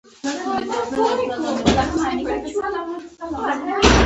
د محصل لپاره مطالعې تمرین اړین دی.